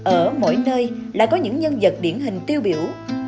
ở mỗi nơi lại có những nhân vật điển hình tiêu biểu